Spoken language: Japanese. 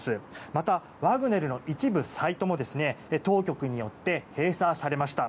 また、ワグネルの一部サイトも当局によって閉鎖されました。